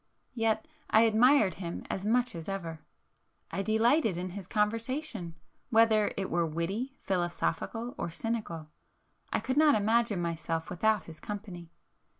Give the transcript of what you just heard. Yet I admired him as much as ever,—I delighted in his conversation, whether it were witty, philosophical or cynical,—I could not imagine myself without his company.